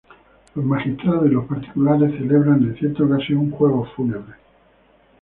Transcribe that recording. Los magistrados y los particulares celebraban en ciertas ocasiones juegos fúnebres.